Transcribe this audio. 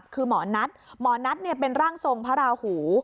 คือหมอนัทหมอนัทเป็นร่างทรงพระราหู